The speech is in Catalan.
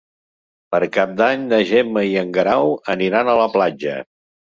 Per Cap d'Any na Gemma i en Guerau aniran a la platja.